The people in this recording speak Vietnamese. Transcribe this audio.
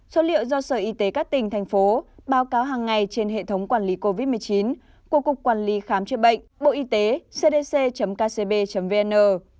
số liệu do sở y tế các tỉnh thành phố báo cáo hàng ngày trên hệ thống quản lý covid một mươi chín của cục quản lý khám chữa bệnh bộ y tế cdc kcb vn